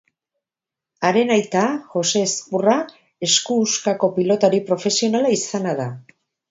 Haren aita, Jose Ezkurra, esku huskako pilotari profesionala izana da.